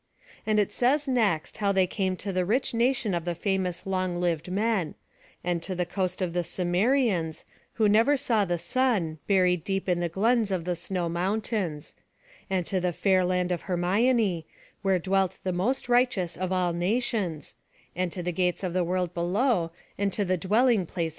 And it says next, how they came to the rich nation of the famous long lived men; and to the coast of the Cimmerians, who never saw the sun, buried deep in the glens of the snow mountains; and to the fair land of Hermione, where dwelt the most righteous of all nations; and to the gates of the world below, and to the dwelling place of dreams.